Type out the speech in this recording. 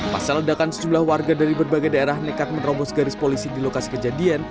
pasal ledakan sejumlah warga dari berbagai daerah nekat menerobos garis polisi di lokasi kejadian